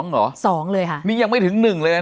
๒หรอ๒เลยค่ะนี่ยังไม่ถึง๑เลยอ่ะเนี่ย